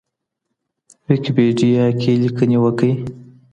ويکيپېډيا کې ليکنې وکړئ.